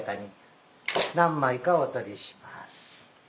何枚かお撮りします。